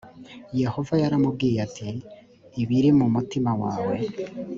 yehova yaramubwiye ati ibiri mu mutima wawe